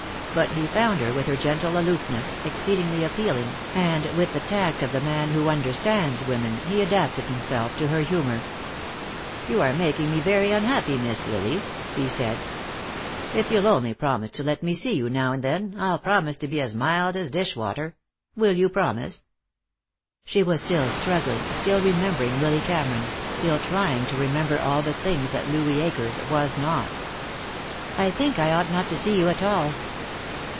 But he found her, with her gentle aloofness, exceedingly appealing, and with the tact of the man who understands women he adapted himself to her humor. "You are making me very unhappy; Miss Lily," he said. "If you'll only promise to let me see you now and then, I'll promise to be as mild as dish water. Will you promise?" She was still struggling, still remembering Willy Cameron, still trying to remember all the things that Louis Akers was not. "I think I ought not to see you at all."